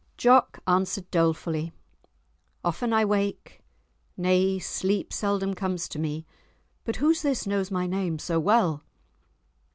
Jock answered dolefully, "Often I wake, nay, sleep seldom comes to me—but who's this knows my name so well?"